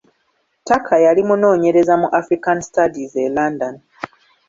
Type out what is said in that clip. Tucker yali munoonyereza mu African studies e London.